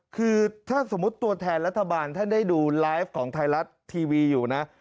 คือถ้าสมมุติตัวแทนรัฐบาลท่านได้ดูไลฟ์ของไทยรัฐทีวีอยู่นะ